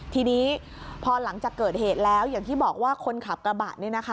ทีนี้พอหลังจากเกิดเหตุแล้วอย่างที่บอกว่าคนขับกระบะ